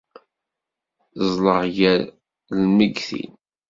Ẓẓleɣ gar lmeyytin.